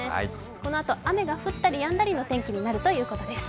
このあと雨が降ったりやんだりの天気となるということです。